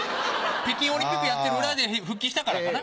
北京オリンピックやってる裏で復帰したからかな？